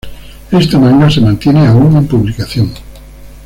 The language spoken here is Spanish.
Este manga se mantiene aún en publicación.